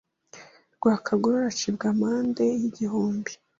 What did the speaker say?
Rwakagorora acibwa amande y’igihumbi